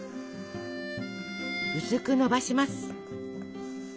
薄くのばします。